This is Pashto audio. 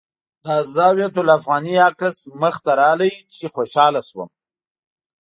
د الزاویة الافغانیه عکس مخې ته راغی چې خوشاله شوم.